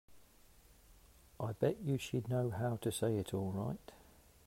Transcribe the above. I bet you she'd know how to say it all right.